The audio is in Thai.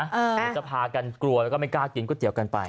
เดี๋ยวจะพากันกลัวแล้วก็ไม่กล้ากินก๋วยเตี๋ยวกันไป